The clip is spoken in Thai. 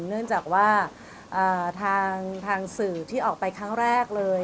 เนื่องจากว่าทางสื่อที่ออกไปครั้งแรกเลย